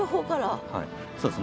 そうです。